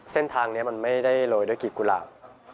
เส้นทางนี้มันไม่ได้โรยด้วยกลีบกุหลาบ